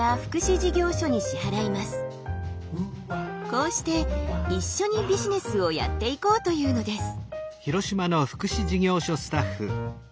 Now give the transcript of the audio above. こうして一緒にビジネスをやっていこうというのです。